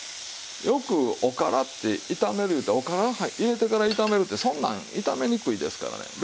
よくおからって炒めるいうたらおから入れてから炒めるってそんなん炒めにくいですからね。